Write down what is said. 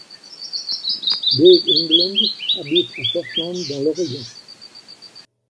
Dave England habite à Portland dans l'Oregon.